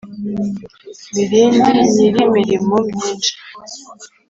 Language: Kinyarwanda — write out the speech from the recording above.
mirindi nyiri imirimo myinshi